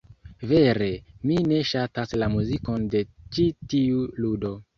Vere, mi ne ŝatas la muzikon de ĉi tiu ludo.